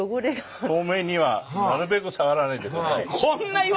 透明にはなるべく触らないでください。